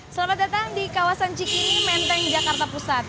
selamat datang di kawasan cikini menteng jakarta pusat